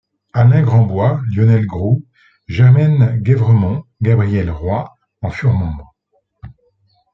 Alain Grandbois, Lionel Groulx, Germaine Guèvremont, Gabrielle Roy en furent membres.